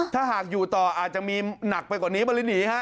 ถ้าหากอยู่ต่ออาจจะมีหนักไปกว่านี้บริหนีฮะ